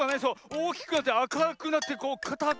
おおきくなってあかくなってこうかたくなって。